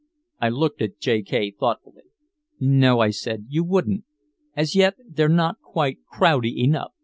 I looked at J. K. thoughtfully. "No," I said. "You wouldn't. As yet they're not quite crowdy enough.